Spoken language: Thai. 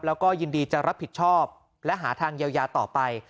แล้วก็ยินดีจะรับผิดชอบและหาทางเยียวยาต่อไป